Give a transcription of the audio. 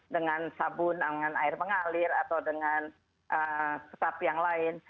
dengan sabun dengan air mengalir atau dengan sesapi yang lain